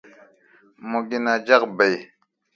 Mo gi nah jyak bai.